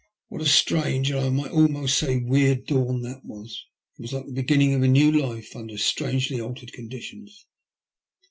What a strange and, I might almost say, weird dawn that was ! It was like the beginning of a new life under strangely altered conditions.